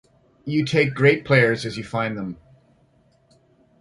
You take great players as you find them.